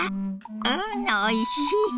うんおいしい。